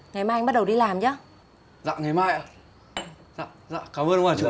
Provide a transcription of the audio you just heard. ngày mai anh bắt đầu đi làm nhé